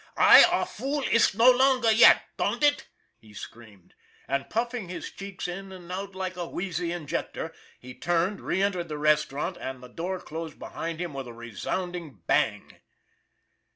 "la fool iss no longer yet, don'd it ?" he screamed, and, puffing his cheeks in and out like a whezzy in jector, he turned, reentered the restaurant, and the door closed behind him with a resounding bang.